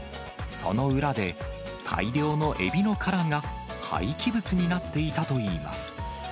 その裏で、大量のエビの殻が廃棄物になっていたといいます。